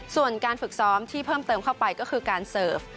ส่วนการฝึกซ้อมที่เพิ่มเติมเข้าไปก็คือการเสิร์ฟ